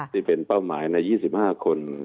ที่เป็นเป้าหมายใน๒๕คน